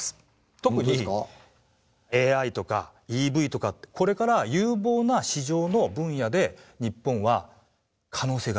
特にＡＩとかＥＶとかこれから有望な市場の分野で日本は可能性がある。